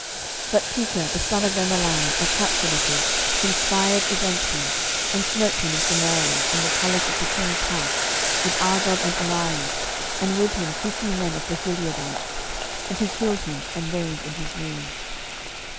12:015:025 But Pekah the son of Remaliah, a captain of his, conspired against him, and smote him in Samaria, in the palace of the king's house, with Argob and Arieh, and with him fifty men of the Gileadites: and he killed him, and reigned in his room.